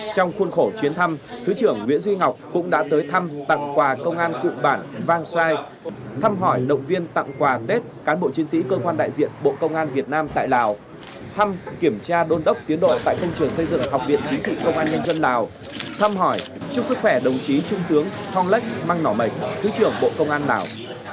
trong khuôn khổ chuyến thăm thứ trưởng nguyễn duy ngọc cũng đã tới thăm tặng quà công an cụ bản vang sai thăm hỏi lộng viên tặng quà tết cán bộ chiến sĩ cơ quan đại diện bộ công an việt nam tại lào thăm kiểm tra đôn đốc tiến độ tại thân trường xây dựng học viện chính trị công an nhân dân lào thăm hỏi chúc sức khỏe đồng chí trung tướng thong lech mang nỏ mệch thứ trưởng bộ công an lào